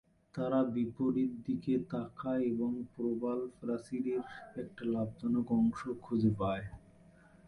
তারা বিপরীত দিকে তাকায় এবং প্রবাল প্রাচীরের একটা লাভজনক অংশ খুঁজে পায়।